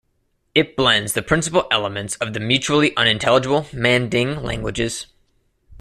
It blends the principal elements of the mutually unintelligible Manding languages.